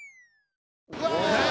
うわ！